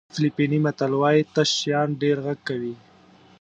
فلیپیني متل وایي تش شیان ډېر غږ کوي.